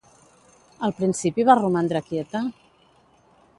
Al principi va romandre quieta?